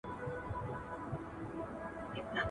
سفارتي اړیکي یوازي د کاغذ پر مخ محدودې نه دي.